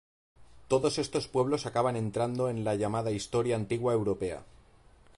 Todos estos pueblos acaban entrando en la llamada Historia antigua europea.